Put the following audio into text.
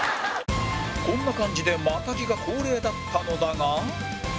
こんな感じでマタギが恒例だったのだが